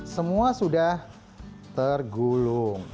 semua sudah tergulung